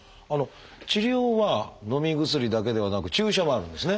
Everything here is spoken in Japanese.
治療はのみ薬だけではなく注射もあるんですね。